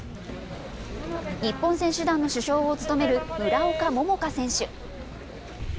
日本選手団の主将を務める村岡桃佳選手。